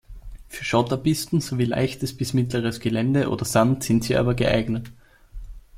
Für Schotterpisten sowie leichteres bis mittleres Gelände oder Sand sind sie aber geeignet.